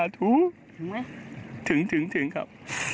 ถึงครับ